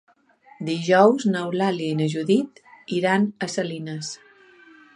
Dijous n'Eulàlia i na Judit iran a Salines.